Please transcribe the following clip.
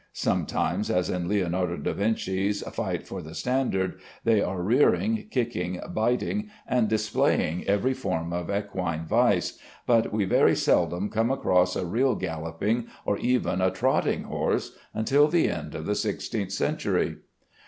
Sometimes, as in Leonardo da Vinci's "Fight for the Standard," they are rearing, kicking, biting, and displaying every form of equine vice; but we very seldom come across a real galloping or even a trotting horse, until the end of the sixteenth century.